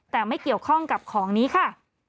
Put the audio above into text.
แต่ไม่เกี่ยวข้องกับของนี้ค่ะ